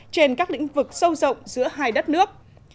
trên các lĩnh vực sâu rộng giữa hai đất nước